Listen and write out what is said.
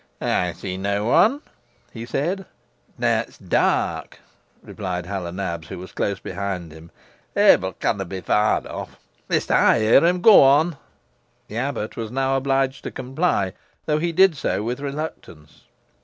"I see no one," he said. "T' neet's dark," replied Hal o' Nabs, who was close behind him. "Ebil canna be far off. Hist! ey hear him go on." The abbot was now obliged to comply, though he did so with, reluctance.